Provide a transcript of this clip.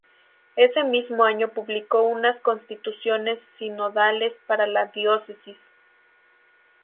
Ese mismo año publicó unas constituciones sinodales para la diócesis.